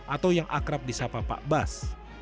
atau yang akrab di sapa pak bas